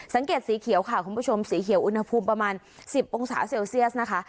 สังเกตสีเขียวค่ะคุณผู้ชมสีเขียวอุณหภูมิประมาณ๑๐องศาเซลเซียสนะคะ